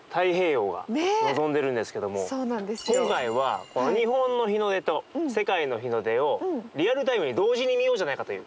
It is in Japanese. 今回は日本の日の出と世界の日の出をリアルタイムに同時に見ようじゃないかという。